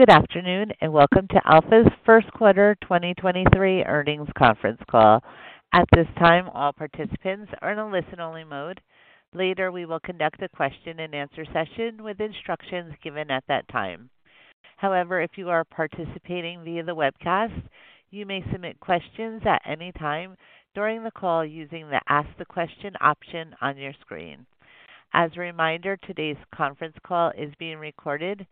Good afternoon, welcome to ALFA's first quarter 2023 earnings conference call. At this time, all participants are in a listen-only mode. Later, we will conduct a question-and-answer session with instructions given at that time. However, if you are participating via the webcast, you may submit questions at any time during the call using the Ask the Question option on your screen. As a reminder, today's conference call is being recorded.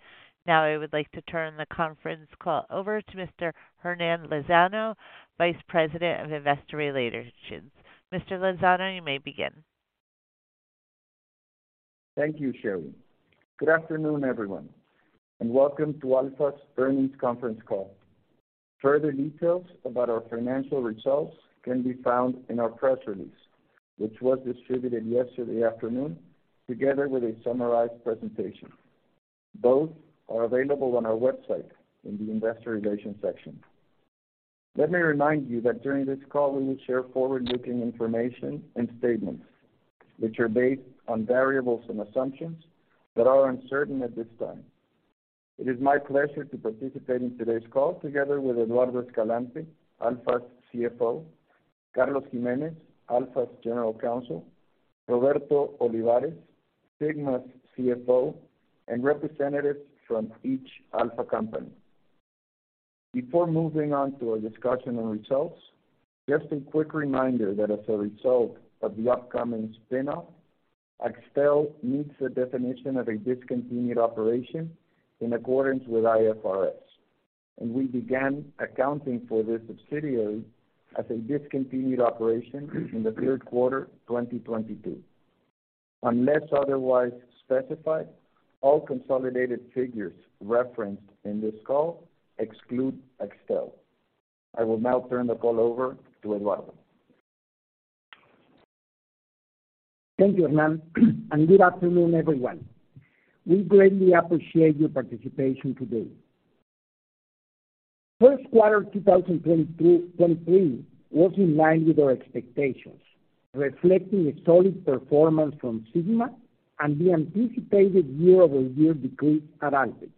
Now, I would like to turn the conference call over to Mr. Hernán Lozano, Vice President of Investor Relations. Mr. Lozano, you may begin. Thank you, Sherry. Good afternoon, everyone, and welcome to ALFA's earnings conference call. Further details about our financial results can be found in our press release, which was distributed yesterday afternoon together with a summarized presentation. Both are available on our website in the Investor Relations section. Let me remind you that during this call, we will share forward-looking information and statements which are based on variables and assumptions that are uncertain at this time. It is my pleasure to participate in today's call together with Eduardo Escalante, ALFA's CFO, Carlos Jiménez, ALFA's General Counsel, Roberto Olivares, Sigma's CFO, and representatives from each ALFA company. Before moving on to our discussion and results, just a quick reminder that as a result of the upcoming spin-off, Axtel meets the definition of a discontinued operation in accordance with IFRS, and we began accounting for this subsidiary as a discontinued operation in the third quarter 2022. Unless otherwise specified, all consolidated figures referenced in this call exclude Axtel. I will now turn the call over to Eduardo. Thank you, Hernán, and good afternoon, everyone. We greatly appreciate your participation today. First quarter 2023 was in line with our expectations, reflecting a solid performance from Sigma and the anticipated year-over-year decrease at Alpek.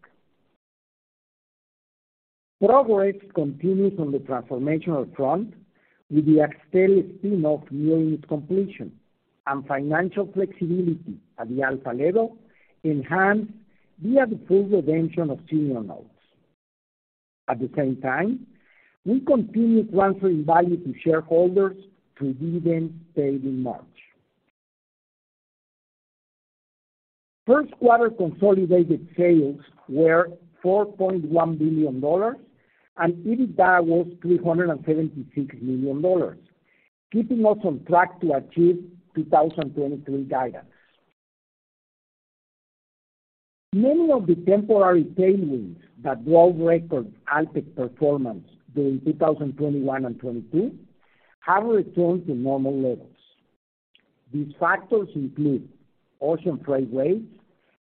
Progress continues on the transformational front, with the Axtel spin-off nearing its completion, and financial flexibility at the ALFA level enhanced via the full redemption of senior notes. At the same time, we continue transferring value to shareholders through dividends paid in March. First quarter consolidated sales were $4.1 billion, and EBITDA was $376 million, keeping us on track to achieve 2023 guidance. Many of the temporary tailwinds that drove record Alpek performance during 2021 and 2022 have returned to normal levels. These factors include ocean freight rates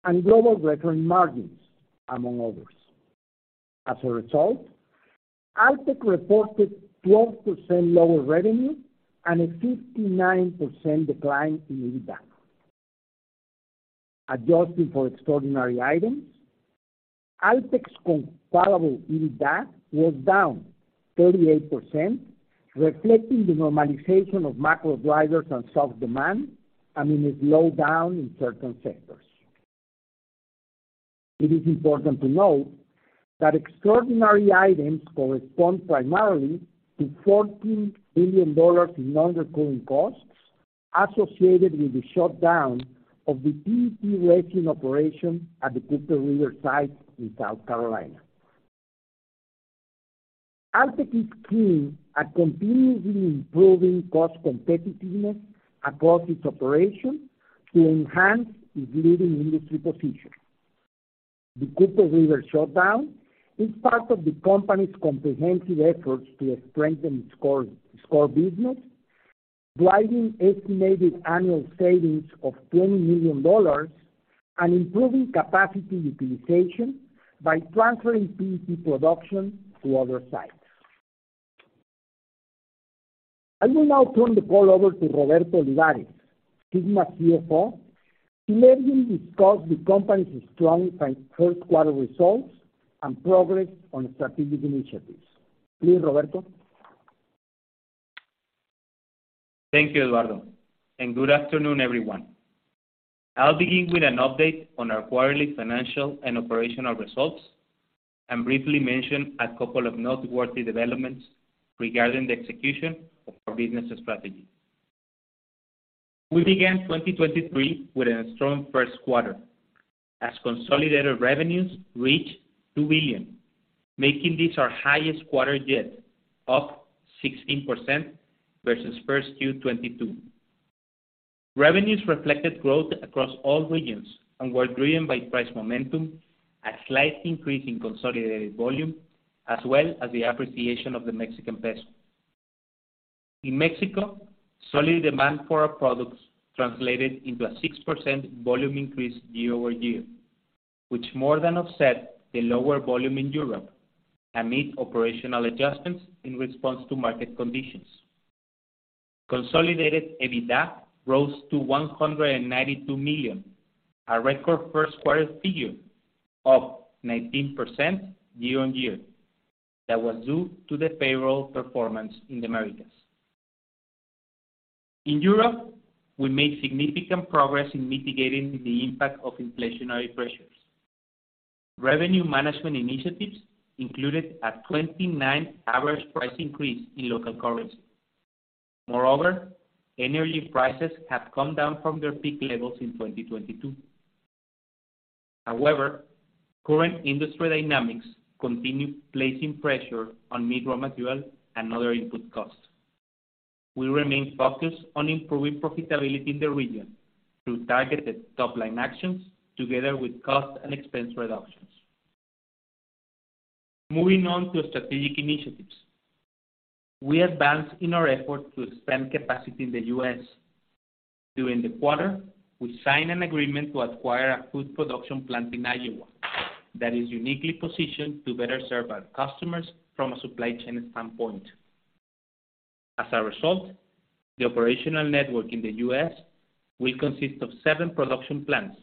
and global refining margins, among others. Alpek reported 12% lower revenue and a 59% decline in EBITDA. Adjusting for extraordinary items, Alpek's comparable EBITDA was down 38%, reflecting the normalization of macro drivers and soft demand amid a slowdown in certain sectors. It is important to note that extraordinary items correspond primarily to $14 billion in under-recovery of costs associated with the shutdown of the PP resin operation at the Cooper River site in South Carolina. Alpek is keen at continuously improving cost competitiveness across its operations to enhance its leading industry position. The Cooper River shutdown is part of the company's comprehensive efforts to strengthen its core business, driving estimated annual savings of $20 million and improving capacity utilization by transferring PP production to other sites. I will now turn the call over to Roberto Olivares, Sigma's CFO, to let him discuss the company's strong first quarter results and progress on strategic initiatives. Please, Roberto. Thank you, Eduardo. Good afternoon, everyone. I'll begin with an update on our quarterly financial and operational results and briefly mention a couple of noteworthy developments regarding the execution of our business strategy. We began 2023 with a strong first quarter as consolidated revenues reached $2 billion, making this our highest quarter yet, up 16% versus 1Q 2022. Revenues reflected growth across all regions and were driven by price momentum, a slight increase in consolidated volume, as well as the appreciation of the Mexican peso. In Mexico, solid demand for our products translated into a 6% volume increase year-over-year, which more than offset the lower volume in Europe amid operational adjustments in response to market conditions. Consolidated EBITDA rose to $192 million, a record first quarter figure, up 19% year-on-year. That was due to the favorable performance in the Americas. In Europe, we made significant progress in mitigating the impact of inflationary pressures. Revenue management initiatives included a 29% average price increase in local currency. Energy prices have come down from their peak levels in 2022. Current industry dynamics continue placing pressure on meat raw material and other input costs. We remain focused on improving profitability in the region through targeted top-line actions together with cost and expense reductions. Moving on to strategic initiatives. We advanced in our effort to expand capacity in the U.S. During the quarter, we signed an agreement to acquire a food production plant in Iowa that is uniquely positioned to better serve our customers from a supply chain standpoint. The operational network in the U.S. will consist of seven production plants.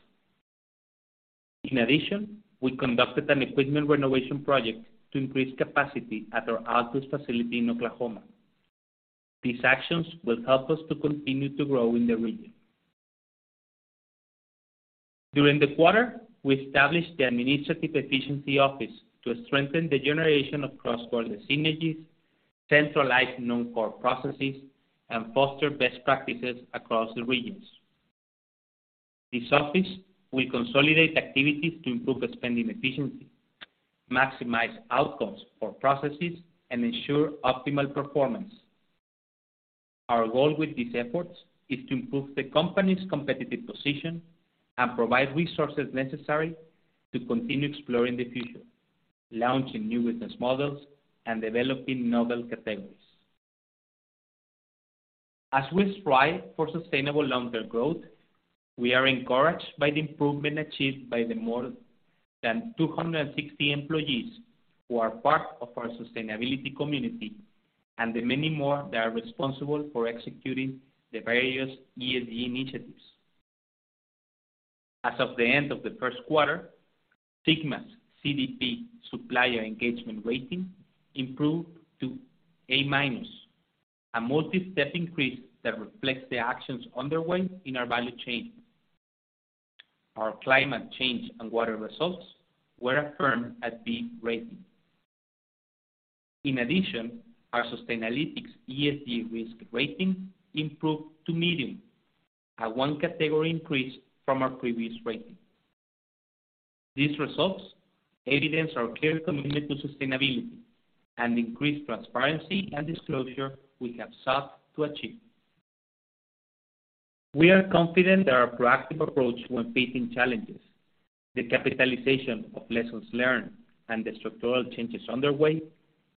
We conducted an equipment renovation project to increase capacity at our Seminole facility in Oklahoma. These actions will help us to continue to grow in the region. During the quarter, we established the Administrative Efficiency Office to strengthen the generation of cross-border synergies, centralize non-core processes, and foster best practices across the regions. This office will consolidate activities to improve the spending efficiency, maximize outcomes for processes, and ensure optimal performance. Our goal with these efforts is to improve the company's competitive position and provide resources necessary to continue exploring the future, launching new business models, and developing novel categories. As we strive for sustainable long-term growth, we are encouraged by the improvement achieved by the more than 260 employees who are part of our sustainability community, and the many more that are responsible for executing the various ESG initiatives. As of the end of the first quarter, Sigma's CDP Supplier Engagement Rating improved to A-minus, a multi-step increase that reflects the actions underway in our value chain. Our climate change and water results were affirmed at B rating. In addition, our Sustainalytics ESG risk rating improved to medium, a one-category increase from our previous rating. These results evidence our clear commitment to sustainability and increased transparency and disclosure we have sought to achieve. We are confident that our proactive approach when facing challenges, the capitalization of lessons learned, and the structural changes underway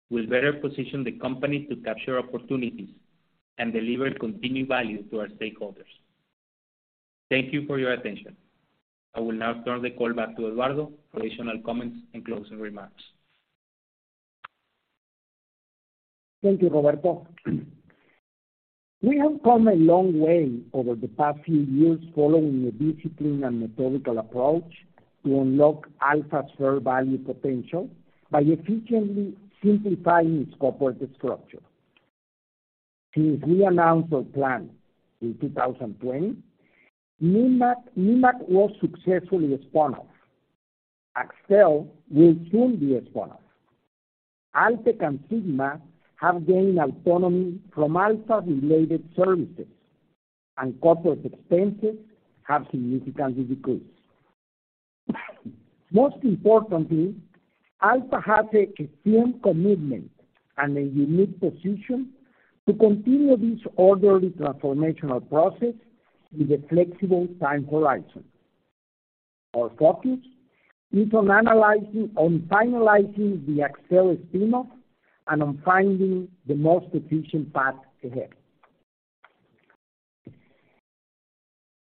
will better position the company to capture opportunities and deliver continued value to our stakeholders. Thank you for your attention. I will now turn the call back to Eduardo for additional comments and closing remarks. Thank you, Roberto. We have come a long way over the past few years following a disciplined and methodical approach to unlock ALFA's fair value potential by efficiently simplifying its corporate structure. Since we announced our plan in 2020, Nemak was successfully spun off. Axtel will soon be spun off. Alpek and Sigma have gained autonomy from ALFA-related services, corporate expenses have significantly decreased. Most importantly, ALFA has a firm commitment and a unique position to continue this orderly transformational process with a flexible time horizon. Our focus is on finalizing the Axtel spin-off and on finding the most efficient path ahead.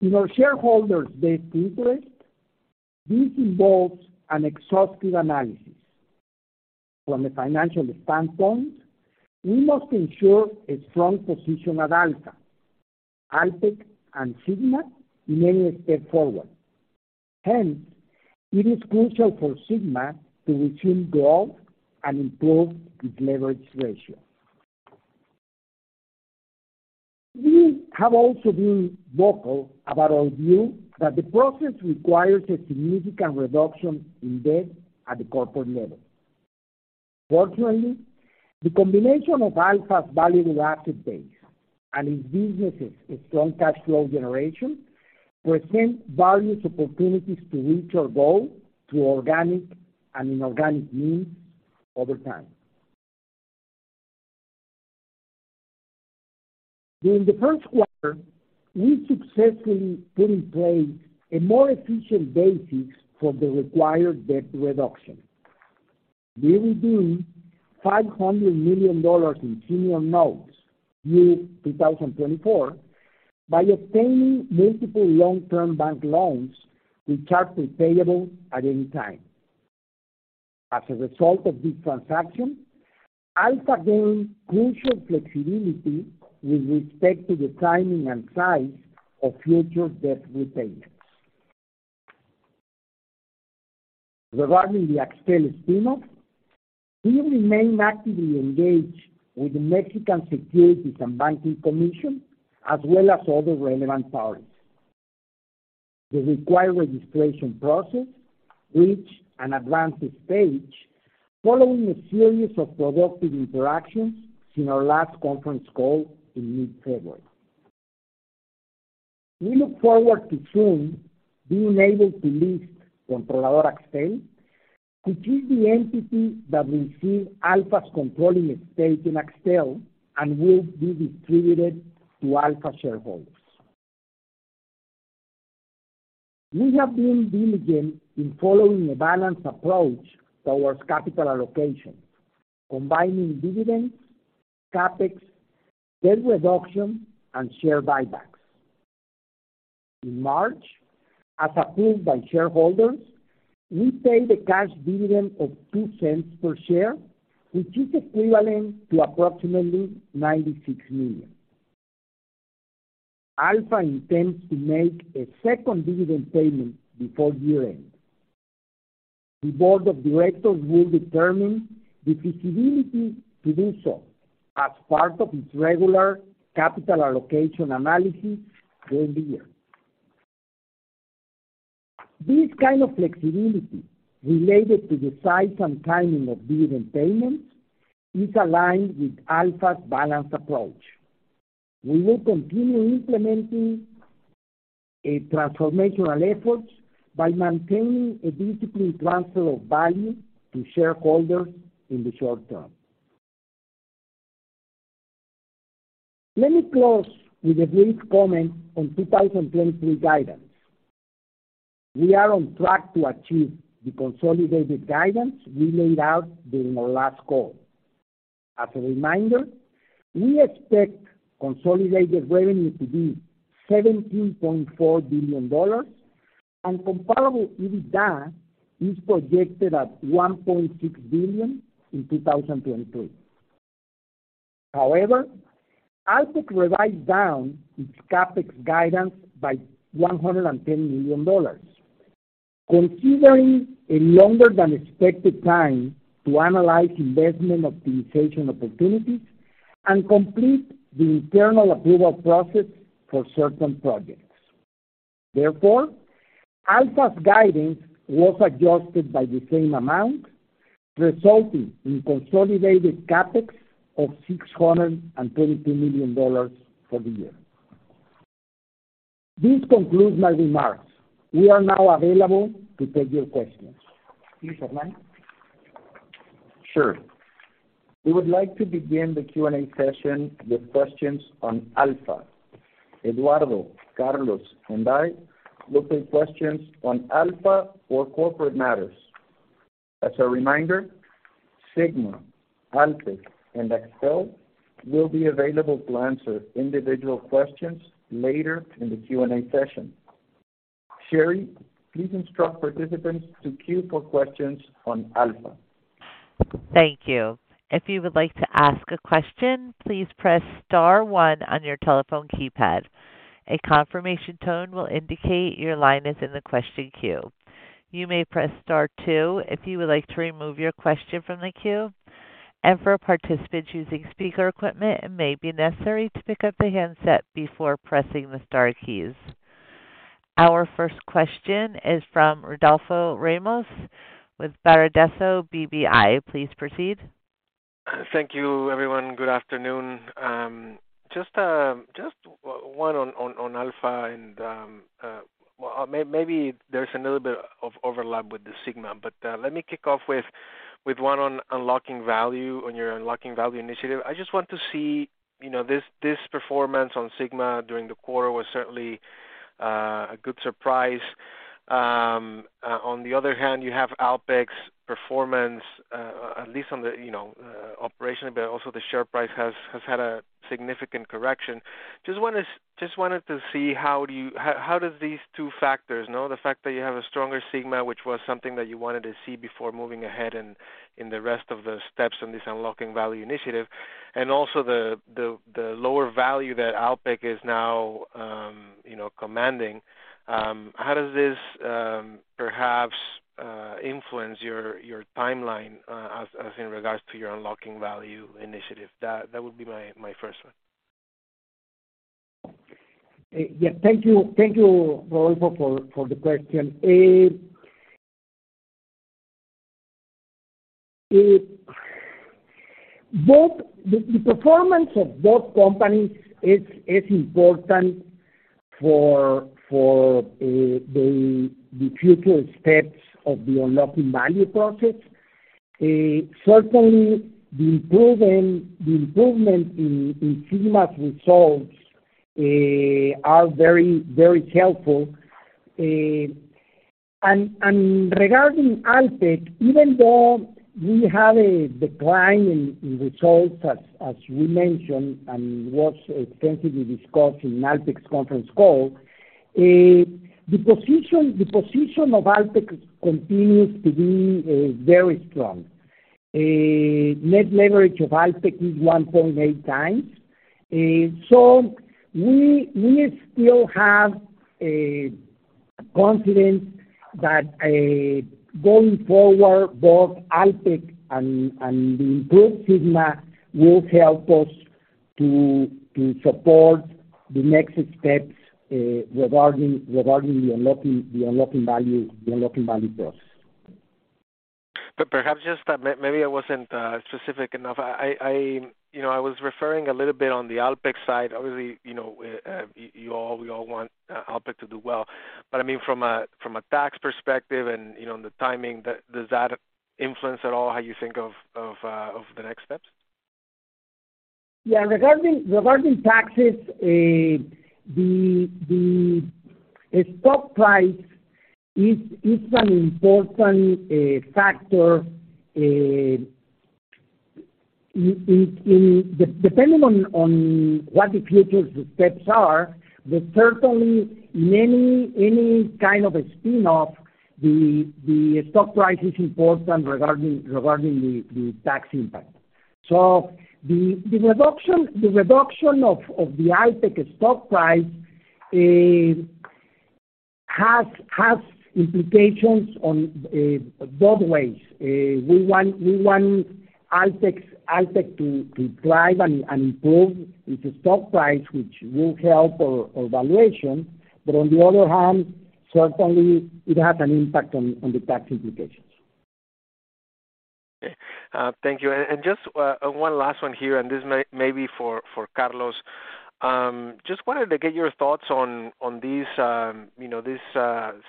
In our shareholders' best interest, this involves an exhaustive analysis. From a financial standpoint, we must ensure a strong position at ALFA, Alpek, and Sigma in any step forward. It is crucial for Sigma to resume growth and improve its leverage ratio. We have also been vocal about our view that the process requires a significant reduction in debt at the corporate level. The combination of ALFA's valuable asset base and its businesses' strong cash flow generation present various opportunities to reach our goal through organic and inorganic means over time. During the first quarter, we successfully put in place a more efficient basis for the required debt reduction. We redeemed $500 million in senior notes due 2024 by obtaining multiple long-term bank loans which are repayable at any time. As a result of this transaction, ALFA gained crucial flexibility with respect to the timing and size of future debt repayments. Regarding the Axtel spin-off, we remain actively engaged with the National Banking and Securities Commission, as well as other relevant parties. The required registration process reached an advanced stage following a series of productive interactions in our last conference call in mid-February. We look forward to soon being able to list Controladora Axtel, which is the entity that will receive ALFA's controlling at stake in Axtel and will be distributed to ALFA shareholders. We have been diligent in following a balanced approach towards capital allocation, combining dividends, CapEx, debt reduction, and share buybacks. In March, as approved by shareholders, we paid a cash dividend of 0.02 per share, which is equivalent to approximately 96 million. ALFA intends to make a second dividend payment before year-end. The board of directors will determine the feasibility to do so as part of its regular capital allocation analysis during the year. This kind of flexibility related to the size and timing of dividend payments is aligned with ALFA's balanced approach. We will continue implementing a transformational efforts by maintaining a disciplined transfer of value to shareholders in the short term. Let me close with a brief comment on 2023 guidance. We are on track to achieve the consolidated guidance we laid out during our last call. As a reminder, we expect consolidated revenue to be $17.4 billion and comparable EBITDA is projected at $1.6 billion in 2023. However, Alpek revised down its CapEx guidance by $110 million, considering a longer than expected time to analyze investment optimization opportunities and complete the internal approval process for certain projects. Therefore, ALFA's guidance was adjusted by the same amount, resulting in consolidated CapEx of $622 million for the year. This concludes my remarks. We are now available to take your questions. Please, Hernán. Sure. We would like to begin the Q&A session with questions on ALFA. Eduardo, Carlos, and I will take questions on ALFA or corporate matters. As a reminder, Sigma, Alpek, and Axtel will be available to answer individual questions later in the Q&A session. Sherry, please instruct participants to queue for questions on ALFA. Thank you. If you would like to ask a question, please press star one on your telephone keypad. A confirmation tone will indicate your line is in the question queue. You may press star two if you would like to remove your question from the queue. For participants using speaker equipment, it may be necessary to pick up the handset before pressing the star keys. Our first question is from Rodolfo Ramos with Bradesco BBI. Please proceed. Thank you, everyone. Good afternoon. Just one on ALFA and well, maybe there's a little bit of overlap with Sigma, but let me kick off with one on your unlocking value initiative. I just want to see, you know, this performance on Sigma during the quarter was certainly a good surprise. On the other hand, you have Alpek's performance, at least on the, you know, operationally, but also the share price has had a significant correction. Just wanted to see how does these two factors know the fact that you have a stronger Sigma, which was something that you wanted to see before moving ahead in the rest of the steps on this unlocking value initiative, and also the lower value that Alpek is now, you know, commanding, how does this perhaps influence your timeline as in regards to your unlocking value initiative? That would be my first one. Yeah. Thank you. Thank you, Rodolfo, for the question. Both the performance of both companies is important for the future steps of the unlocking value process. Certainly the improvement in Sigma's results are very helpful. Regarding Alpek, even though we have a decline in results as we mentioned and was extensively discussed in Alpek's conference call, the position of Alpek continues to be very strong. A net leverage of Alpek is 1.8x. We still have confidence that going forward, both Alpek and the improved Sigma will help us to support the next steps regarding the unlocking value process. Perhaps just that maybe I wasn't specific enough. I, you know, I was referring a little bit on the Alpek side. Obviously, you know, you all, we all want Alpek to do well. But I mean, from a, from a tax perspective and, you know, the timing, does that influence at all how you think of the next steps? Regarding taxes, the stock price is an important factor. Depending on what the future steps are, certainly any kind of a spin-off the stock price is important regarding the tax impact. The reduction of the Alpek stock price has implications on both ways. We want Alpek to drive and improve its stock price, which will help our valuation. On the other hand, certainly it has an impact on the tax implications. Okay. Thank you. Just one last one here, and this may be for Carlos. Just wanted to get your thoughts on these, you know, this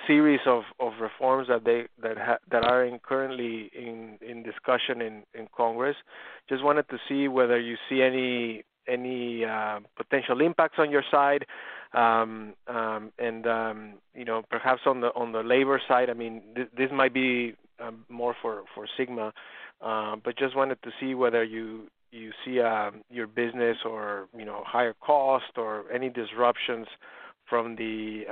series of reforms that they that are currently in discussion in Congress. Just wanted to see whether you see any potential impacts on your side. You know, perhaps on the labor side, I mean, this might be more for Sigma. Just wanted to see whether you see your business or, you know, higher cost or any disruptions from the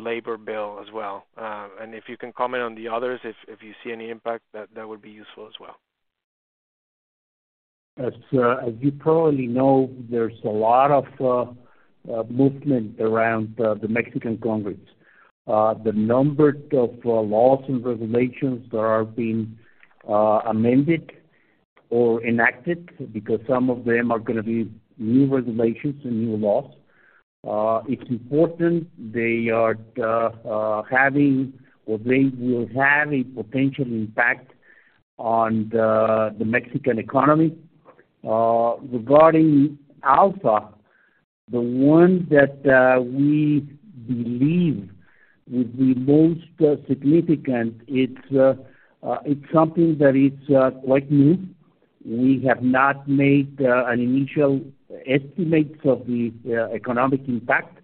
labor bill as well. If you can comment on the others, if you see any impact, that would be useful as well. As you probably know, there's a lot of movement around the Mexican Congress. The number of laws and regulations that are being amended or enacted because some of them are gonna be new regulations and new laws. It's important they are having or they will have a potential impact on the Mexican economy. Regarding ALFA, the one that we believe will be most significant, it's something that it's quite new. We have not made an initial estimates of the economic impact.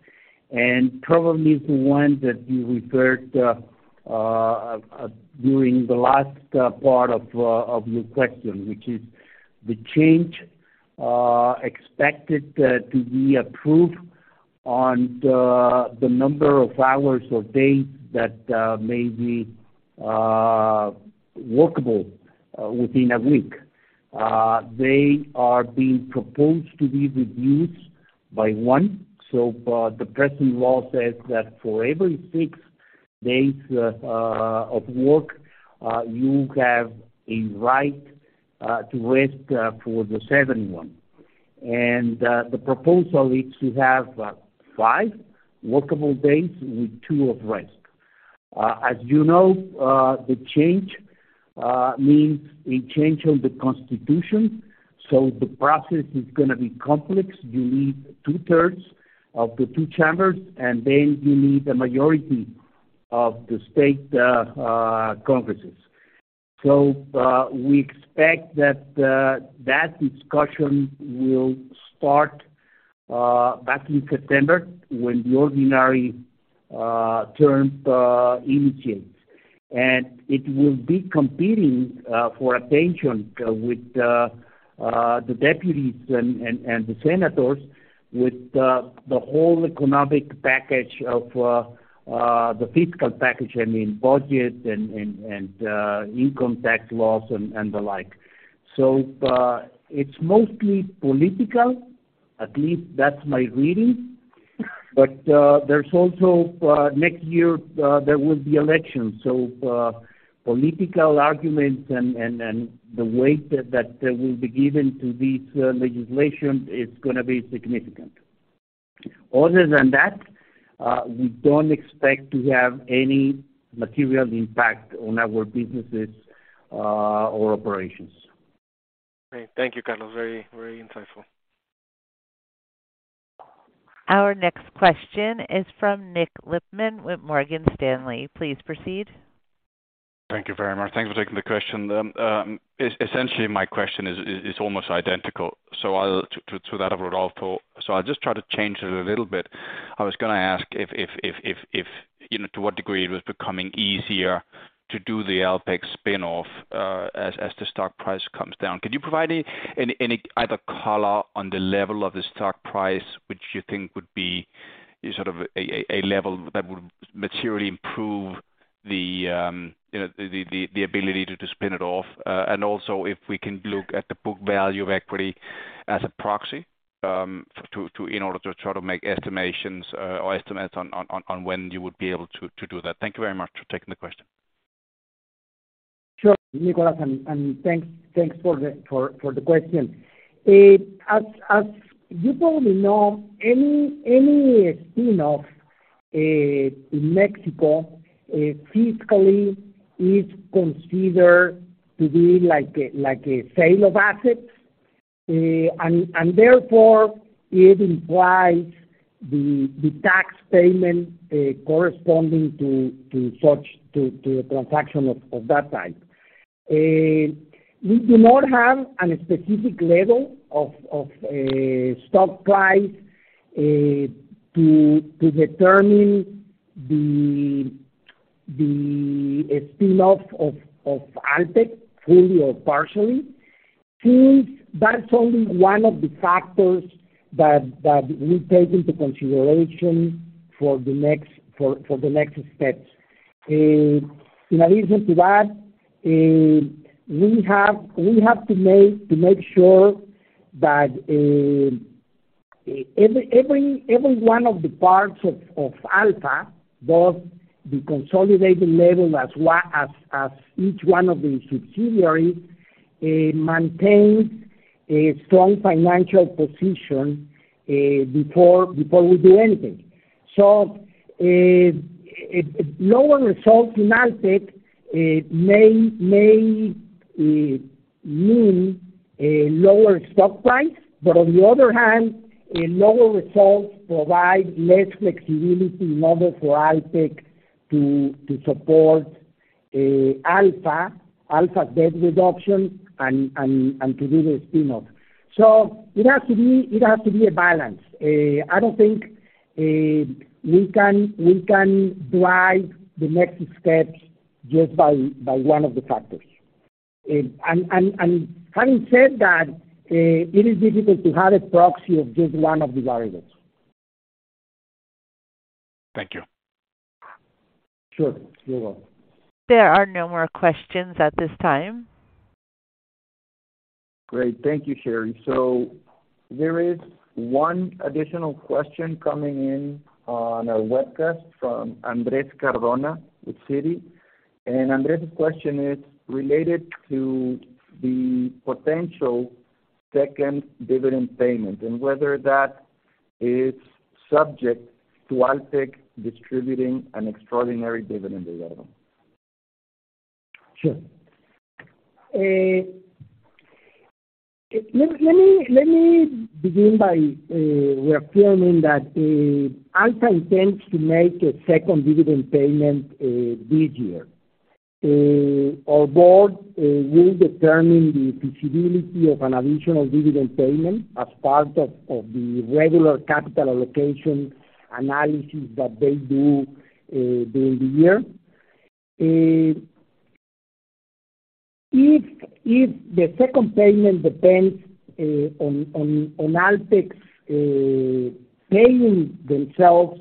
Probably the one that you referred during the last part of your question, which is the change expected to be approved on the number of hours or days that may be workable within a week. They are being proposed to be reduced by one. The present law says that for every six days of work, you have a right to rest for the seventh one. The proposal is to have five workable days with two of rest. As you know, the change means a change on the constitution, so the process is gonna be complex. You need two-thirds of the two chambers, and then you need a majority of the state conferences. We expect that discussion will start back in September when the ordinary term initiates. It will be competing for attention with the Deputies and the Senators with the whole economic package of the fiscal package, I mean budget and income tax laws and the like. It's mostly political. At least that's my reading. There's also next year, there will be elections. Political arguments and the weight that will be given to this legislation is gonna be significant. We don't expect to have any material impact on our businesses or operations. Great. Thank you, Carlos. Very, very insightful. Our next question is from Nikolay Lippmann with Morgan Stanley. Please proceed. Thank you very much. Thanks for taking the question. Essentially my question is almost identical, so to that of Rodolfo, so I'll just try to change it a little bit. I was gonna ask if, you know, to what degree it was becoming easier to do the Alpek spin-off, as the stock price comes down. Could you provide any either color on the level of the stock price, which you think would be sort of a level that would materially improve the ability to spin it off. Also if we can look at the book value of equity as a proxy, to... in order to try to make estimations, or estimates on when you would be able to do that. Thank you very much for taking the question. Sure, Nicholas, and thanks for the question. As you probably know, any spin-off in Mexico, fiscally is considered to be like a sale of assets. Therefore it implies the tax payment corresponding to such a transaction of that type. We do not have an specific level of stock price to determine the spin-off of Alpek, fully or partially, since that's only one of the factors that we take into consideration for the next steps. In addition to that, we have to make sure that every one of the parts of ALFA, both the consolidated level as each one of the subsidiaries, maintain a strong financial position before we do anything. Lower results in Alpek may mean a lower stock price. On the other hand, lower results provide less flexibility in order for Alpek to support ALFA's debt reduction and to do the spin-off. It has to be a balance. I don't think we can drive the next steps just by one of the factors. Having said that, it is difficult to have a proxy of just one of the variables. Thank you. Sure, you're welcome. There are no more questions at this time. Great. Thank you, Sherry. There is one additional question coming in on our webcast from Renata Cabral with Citi. Andres' question is related to the potential second dividend payment and whether that is subject to Alpek distributing an extraordinary dividend as well. Sure. Let me begin by reaffirming that ALFA intends to make a second dividend payment this year. Our board will determine the feasibility of an additional dividend payment as part of the regular capital allocation analysis that they do during the year. If the second payment depends on Alpek's paying themselves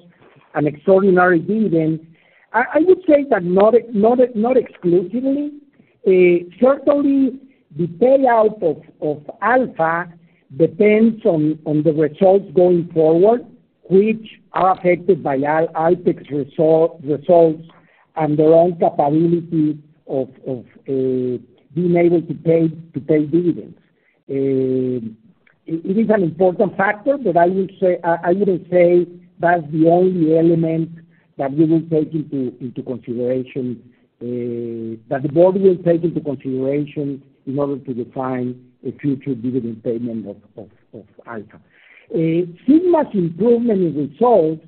an extraordinary dividend, I would say that not exclusively. Certainly the payout of ALFA depends on the results going forward, which are affected by Alpek's results and their own capability of being able to pay dividends. It is an important factor, but I will say... I wouldn't say that's the only element that we will take into consideration that the board will take into consideration in order to define a future dividend payment of ALFA. Sigma's improvement in results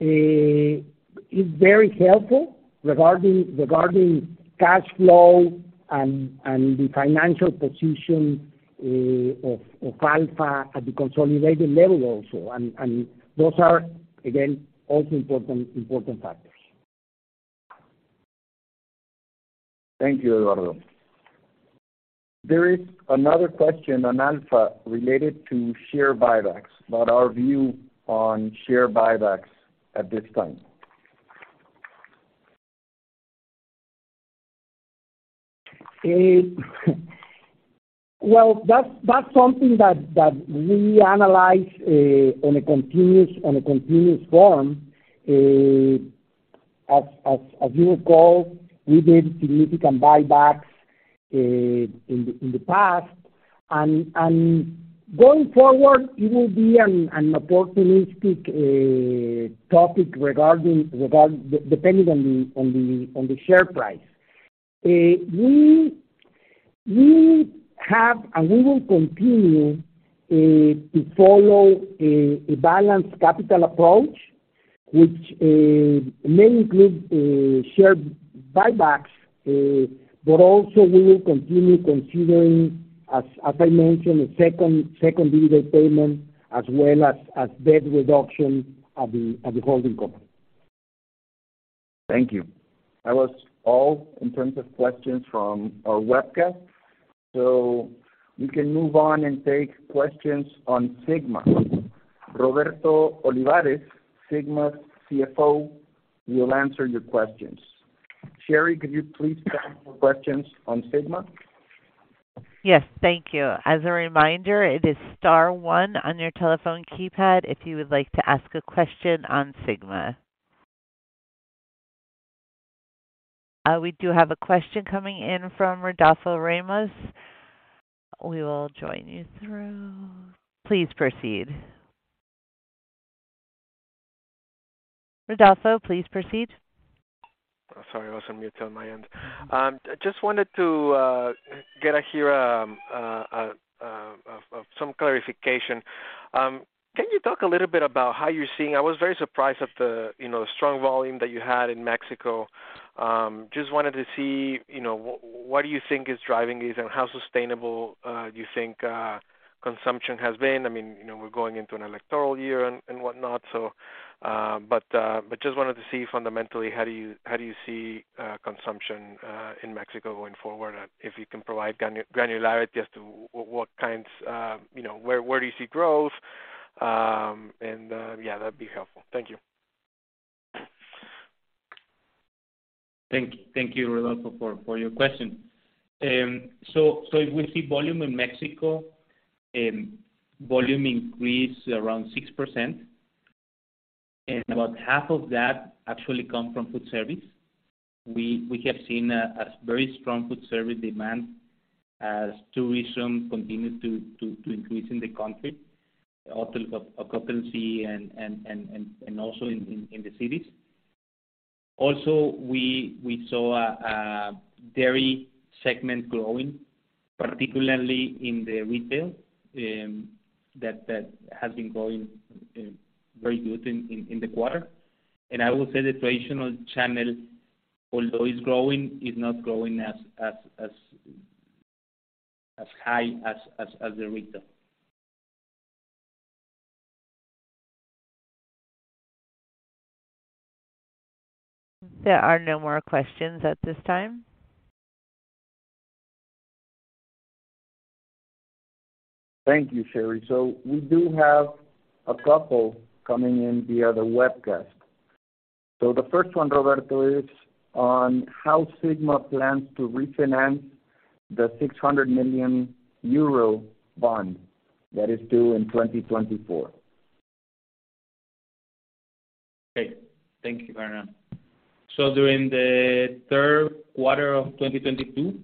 is very helpful regarding cash flow and the financial position of ALFA at the consolidated level also. Those are again, also important factors. Thank you, Eduardo. There is another question on ALFA related to share buybacks, about our view on share buybacks at this time. Well, that's something that we analyze, on a continuous form. As you recall, we did significant buybacks in the past. Going forward, it will be an opportunistic topic depending on the share price. We have and we will continue to follow a balanced capital approach, which may include share buybacks. Also we will continue considering, as I mentioned, a second dividend payment as well as debt reduction at the holding company. Thank you. That was all in terms of questions from our webcast. We can move on and take questions on Sigma. Roberto Olivares, Sigma's CFO, will answer your questions. Sherry, could you please stand for questions on Sigma? Yes, thank you. As a reminder, it is star one on your telephone keypad if you would like to ask a question on Sigma. We do have a question coming in from Rodolfo Ramos. We will join you through. Please proceed. Rodolfo, please proceed. Sorry, I was on mute on my end. Just wanted to get to hear of some clarification. Can you talk a little bit about how you're seeing? I was very surprised at the, you know, strong volume that you had in Mexico. Just wanted to see, you know, what do you think is driving this and how sustainable do you think consumption has been? I mean, you know, we're going into an electoral year and whatnot. Just wanted to see fundamentally how do you see consumption in Mexico going forward? If you can provide granularity as to what kinds, you know, where do you see growth? Yeah, that'd be helpful. Thank you. Thank you, Rodolfo, for your question. If we see volume in Mexico, volume increased around 6%, and about half of that actually come from food service. We have seen a very strong food service demand as tourism continued to increase in the country, hotel occupancy and also in the cities. Also, we saw a dairy segment growing, particularly in the retail, that has been growing very good in the quarter. I would say the traditional channel, although is growing, is not growing as high as the retail. There are no more questions at this time. Thank you, Sherry. We do have a couple coming in via the webcast. The first one, Roberto, is on how Sigma plans to refinance the 600 million euro bond that is due in 2024. Okay. Thank you, Fernando. During the third quarter of 2022,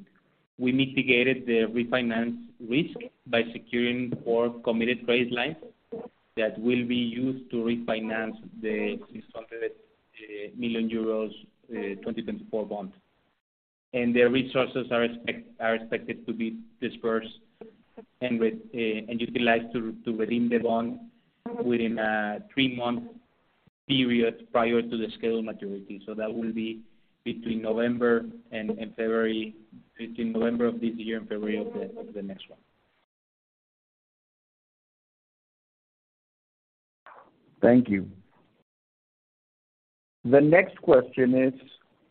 we mitigated the refinance risk by securing four committed credit lines that will be used to refinance the 600 million euros 2024 bond. The resources are expected to be dispersed and utilized to redeem the bond within a three-month period prior to the scheduled maturity. That will be between November and February, between November of this year and February of the next one. Thank you. The next question is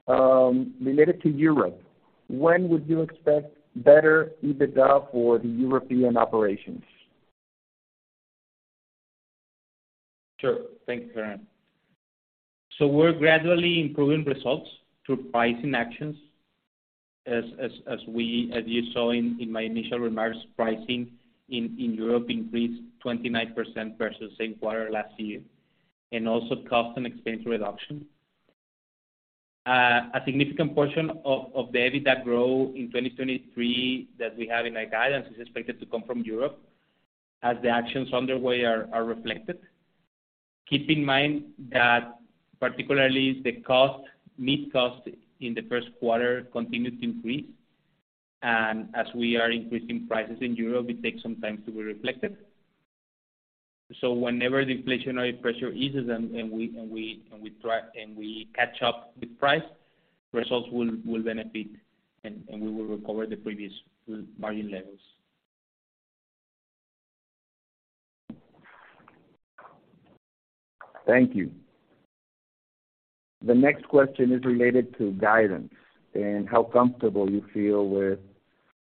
related to Europe. When would you expect better EBITDA for the European operations? Sure. Thank you, Fernando. We're gradually improving results through pricing actions. As you saw in my initial remarks, pricing in Europe increased 29% versus same quarter last year, and also cost and expense reduction. A significant portion of the EBITDA growth in 2023 that we have in our guidance is expected to come from Europe as the actions underway are reflected. Keep in mind that particularly the cost, meat cost in the first quarter continued to increase. As we are increasing prices in Europe, it takes some time to be reflected. Whenever the inflationary pressure eases and we try, and we catch up with price, results will benefit and we will recover the previous margin levels. Thank you. The next question is related to guidance and how comfortable you feel with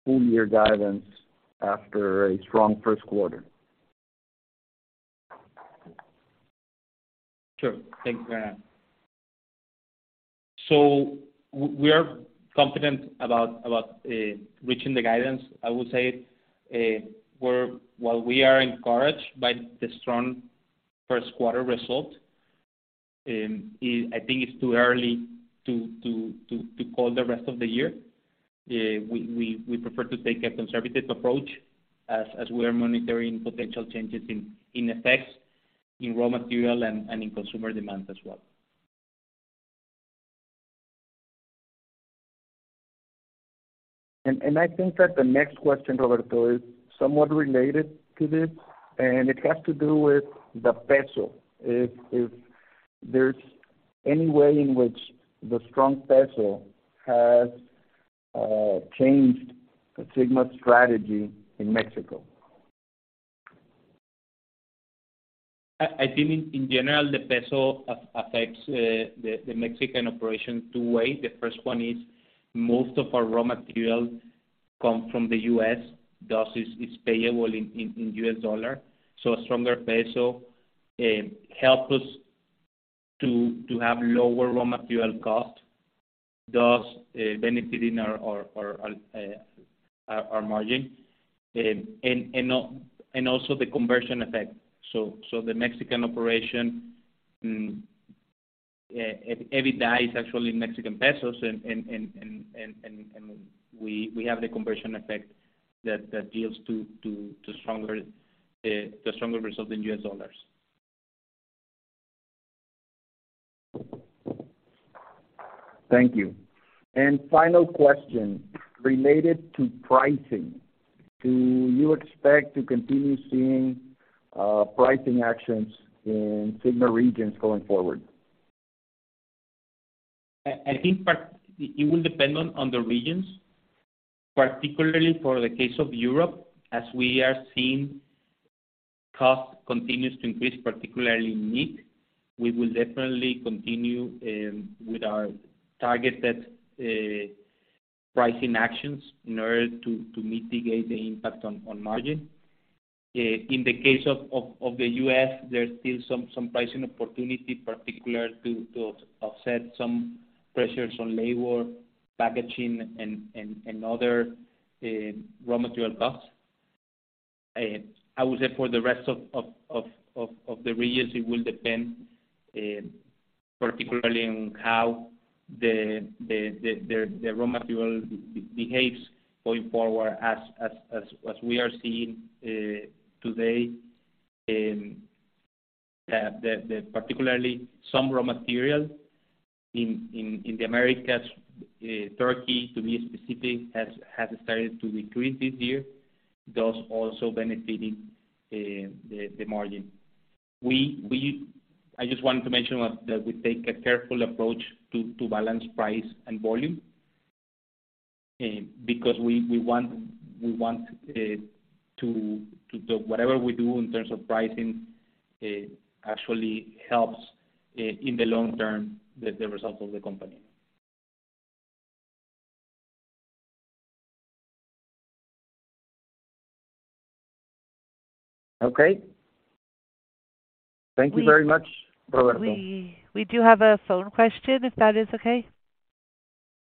full year guidance after a strong first quarter? Thank you, Fernando. We are confident about reaching the guidance. I would say, while we are encouraged by the strong first quarter result, I think it's too early to call the rest of the year. We prefer to take a conservative approach as we are monitoring potential changes in effects in raw material and in consumer demand as well. I think that the next question, Roberto, is somewhat related to this, and it has to do with the peso. If there's any way in which the strong peso has changed Sigma's strategy in Mexico? I think in general, the peso affects the Mexican operation two way. The first one is most of our raw material come from the U.S., thus is payable in U.S. dollar. A stronger peso help us to have lower raw material cost, thus benefiting our margin. Also the conversion effect. The Mexican operation EBITDA is actually Mexican pesos, and we have the conversion effect that deals to stronger the stronger result in U.S. dollars. Thank you. Final question related to pricing. Do you expect to continue seeing pricing actions in Sigma regions going forward? I think it will depend on the regions. Particularly for the case of Europe, as we are seeing cost continues to increase, particularly meat, we will definitely continue with our targeted pricing actions in order to mitigate the impact on margin. In the case of the U.S., there's still some pricing opportunity particular to offset some pressures on labor, packaging and other raw material costs. I would say for the rest of the regions, it will depend particularly on how the raw material behaves going forward as we are seeing today, particularly some raw material in the Americas, turkey to be specific, has started to decrease this year, thus also benefiting the margin. We I just wanted to mention that we take a careful approach to balance price and volume, because we want to... Whatever we do in terms of pricing, actually helps in the long term, the result of the company. Okay. Thank you very much, Roberto. We do have a phone question, if that is okay.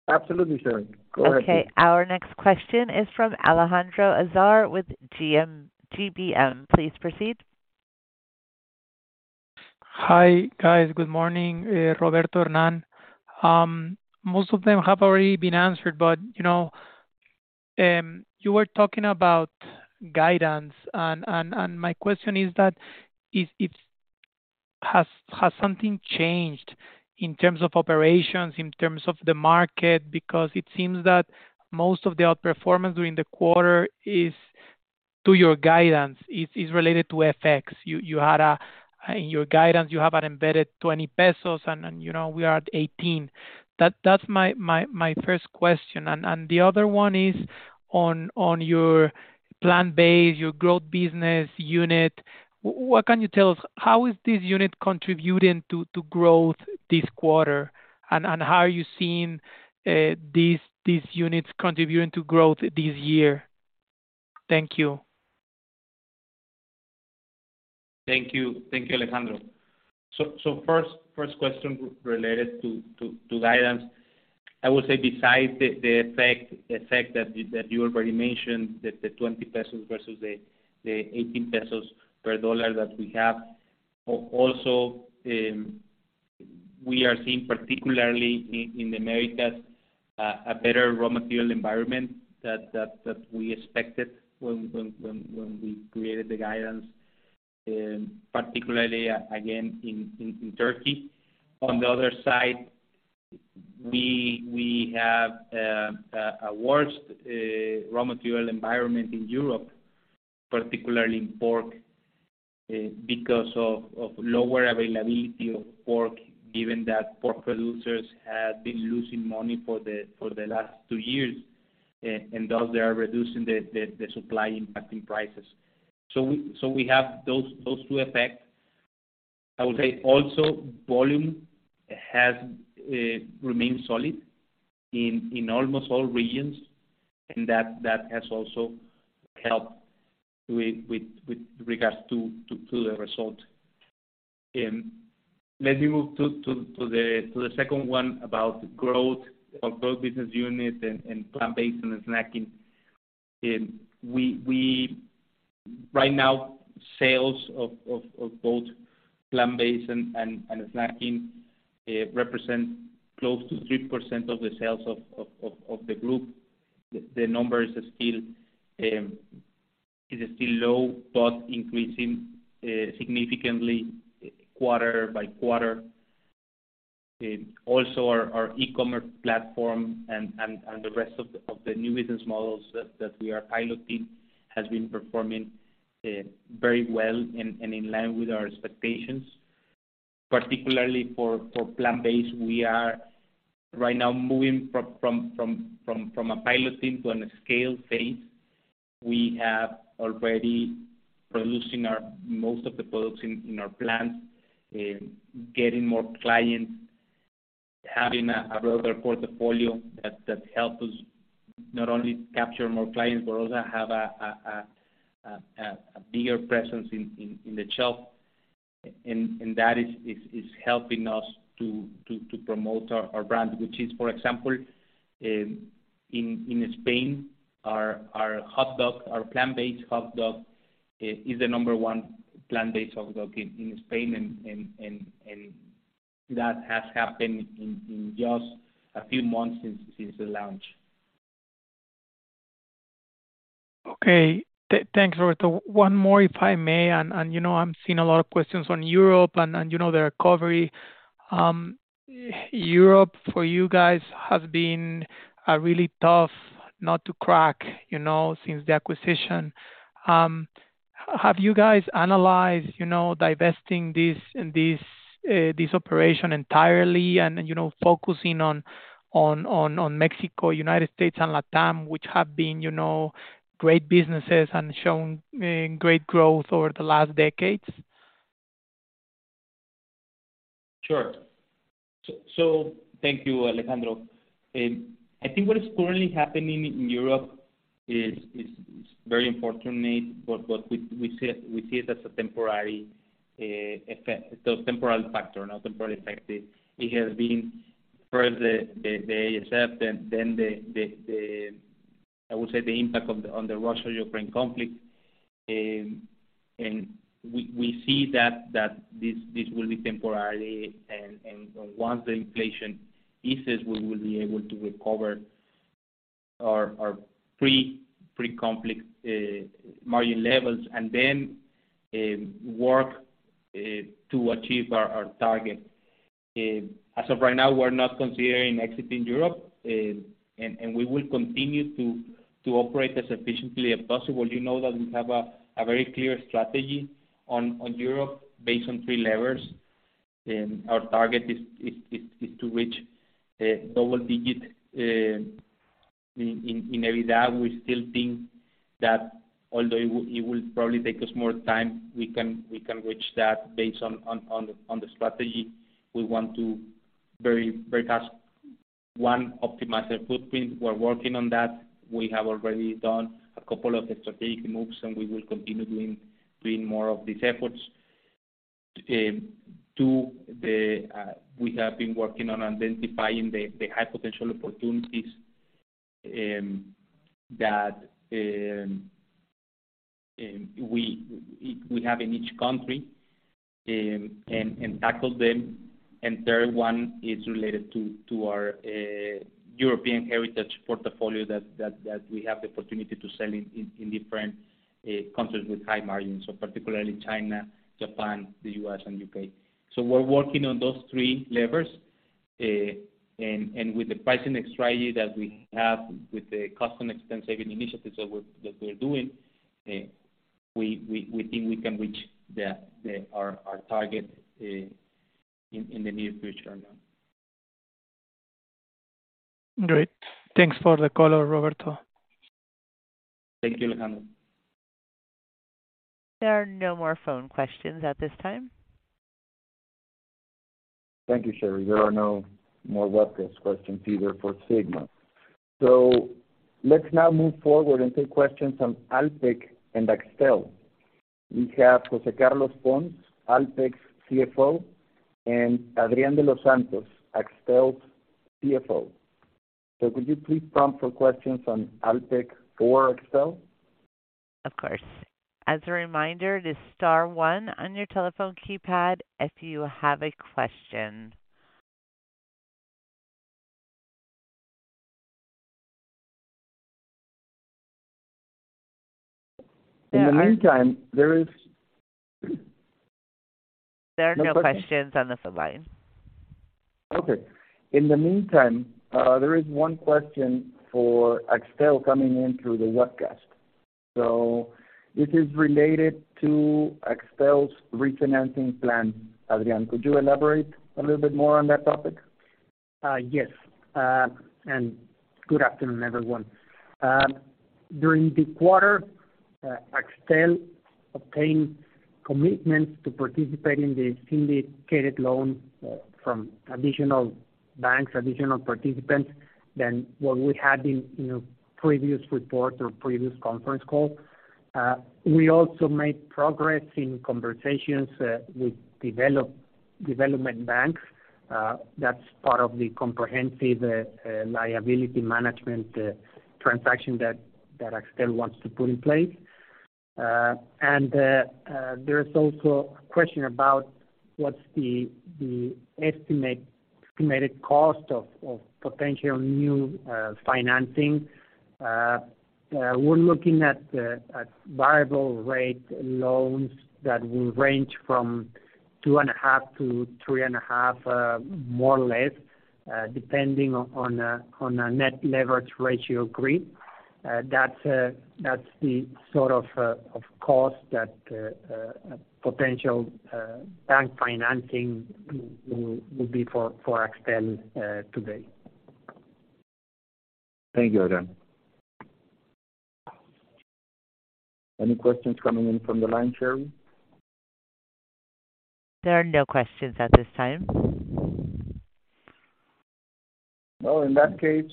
Absolutely, Sharon. Go ahead please. Okay. Our next question is from Regina Carrillo with GBM. Please proceed. Hi, guys. Good morning, Roberto, Hernán. Most of them have already been answered, you know, you were talking about guidance and my question is that Has something changed in terms of operations, in terms of the market? It seems that most of the outperformance during the quarter is to your guidance. It's related to FX. You had in your guidance, you have an embedded 20 pesos and, you know, we are at 18 MXN. That's my first question. The other one is on your plant-based, your growth business unit. What can you tell us? How is this unit contributing to growth this quarter? How are you seeing these units contributing to growth this year? Thank you. Thank you, Alejandro. First question related to guidance. I would say besides the effect that you already mentioned, the 20 pesos versus the 18 pesos per dollar that we have, also, we are seeing particularly in the Americas a better raw material environment that we expected when we created the guidance, particularly again, in turkey. On the other side, we have a worse raw material environment in Europe, particularly in pork, because of lower availability of pork, given that pork producers have been losing money for the last 2 years, and thus they are reducing the supply, impacting prices. We have those two effects. I would say also volume has remained solid in almost all regions, and that has also helped with regards to the result. Let me move to the second one about growth, our growth business unit and plant-based and snacking. We right now, sales of both plant-based and snacking represent close to 3% of the sales of the group. The numbers are still low, but increasing significantly quarter by quarter. Also our e-commerce platform and the rest of the new business models that we are piloting has been performing very well and in line with our expectations. Particularly for plant-based, we are right now moving from a pilot thing to on a scale phase. We have already producing our most of the products in our plants, getting more clients, having a broader portfolio that helps us not only capture more clients but also have a bigger presence in the shelf. That is helping us to promote our brand, which is, for example, in Spain, our hot dog, our plant-based hot dog is the number one plant-based hot dog in Spain, and that has happened in just a few months since the launch. Okay. Thanks, Roberto. One more if I may. You know I'm seeing a lot of questions on Europe and you know the recovery. Europe, for you guys, has been a really tough nut to crack, you know, since the acquisition. Have you guys analyzed, you know, divesting this operation entirely and, you know, focusing on Mexico, United States, and Latam, which have been, you know, great businesses and shown great growth over the last decades? Sure. Thank you, Alejandro. I think what is currently happening in Europe is very important to me, but what we see, we see it as a temporary effect... Temporal factor, not temporary factor. It has been first the ASAP, then the impact of the Russia-Ukraine conflict. We see that this will be temporarily, and once the inflation eases, we will be able to recover our pre-conflict margin levels and then work to achieve our target. As of right now, we're not considering exiting Europe, and we will continue to operate as efficiently as possible. You know that we have a very clear strategy on Europe based on three levers. Our target is to reach double digit in EBITDA. We still think that although it will probably take us more time, we can reach that based on the strategy. We want to very fast. One, optimize our footprint. We're working on that. We have already done a couple of strategic moves, and we will continue doing more of these efforts. Two, the we have been working on identifying the high potential opportunities that we have in each country and tackle them. Third one is related to our European heritage portfolio that we have the opportunity to sell in different countries with high margins, so particularly China, Japan, the US and UK. We're working on those three levers. And with the pricing strategy that we have with the custom expense saving initiatives that we're doing, we think we can reach our target in the near future now. Great. Thanks for the call, Roberto. Thank you, Alejandro. There are no more phone questions at this time. Thank you, Sherry. There are no more webcast questions either for Sigma. Let's now move forward and take questions on Alpek and Axtel. We have José Carlos Pons, Alpek's CFO, and Adrian de los Santos, Axtel's CFO. Could you please prompt for questions on Alpek or Axtel? Of course. As a reminder, it is star one on your telephone keypad if you have a question. In the meantime, there is- There are no questions on the phone line. Okay. In the meantime, there is one question for Axtel coming in through the webcast. It is related to Axtel's refinancing plan. Adrian, could you elaborate a little bit more on that topic? Yes, good afternoon, everyone. During the quarter, Axtel obtained commitments to participate in the syndicated loan from additional banks, additional participants than what we had in a previous report or previous conference call. We also made progress in conversations with development banks. That's part of the comprehensive liability management transaction that Axtel wants to put in place. There is also a question about what's the estimated cost of potential new financing. We're looking at variable rate loans that will range from 2.5%-3.5%, more or less, depending on a net leverage ratio agreed. That's the sort of cost that a potential bank financing will be for Axtel today. Thank you, Adrian. Any questions coming in from the line, Sherry? There are no questions at this time. Well, in that case,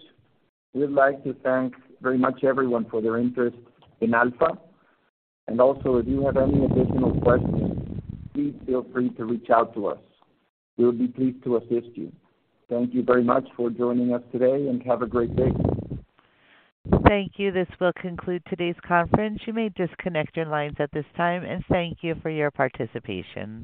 we would like to thank very much everyone for their interest in ALFA. Also, if you have any additional questions, please feel free to reach out to us. We would be pleased to assist you. Thank you very much for joining us today, and have a great day. Thank you. This will conclude today's conference. You may disconnect your lines at this time, and thank you for your participation.